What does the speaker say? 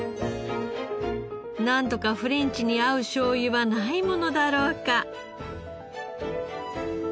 なんとかフレンチに合うしょうゆはないものだろうか？